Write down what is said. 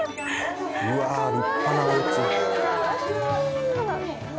うわ立派なおうち。